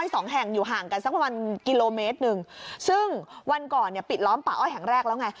จริงจากบริเวณป่าอ้อยที่ล้อมไว้เนี่ย